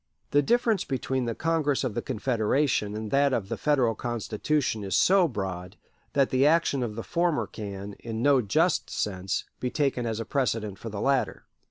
The difference between the Congress of the Confederation and that of the Federal Constitution is so broad that the action of the former can, in no just sense, be taken as a precedent for the latter.